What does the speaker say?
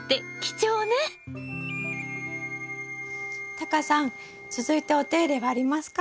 タカさん続いてお手入れはありますか？